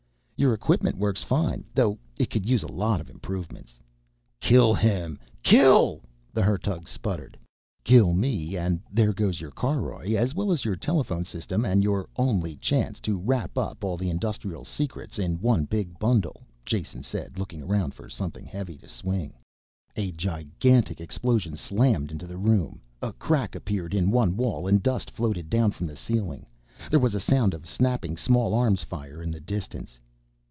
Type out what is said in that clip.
"Your equipment works fine, though it could use a lot of improvements." "Kill him.... Kill!" the Hertug sputtered. "Kill me and there goes your caroj, as well as your telephone system and your only chance to wrap up all the industrial secrets in one big bundle," Jason said, looking around for something heavy to swing. A gigantic explosion slammed into the room; a crack appeared in one wall and dust floated down from the ceiling. There was a sound of snapping small arms fire in the distance.